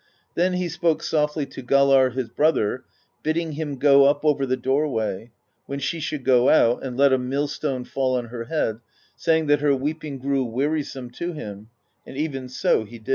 Then he spoke softly to Galarr his brother, bidding him go up over the doorway, when she should go out, and let a mill stone fall on her head, saying that her weeping grew wearisome to him; and even so he did.